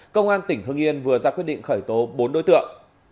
công an tỉnh hưng yên vừa ra quyết định khởi tố bốn đối tượng